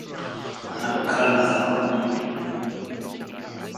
But Raschi struck out Billy Cox to end the inning.